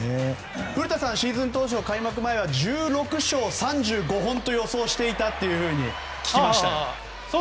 古田さんは開幕前１６勝３５本と予想していたと聞きました。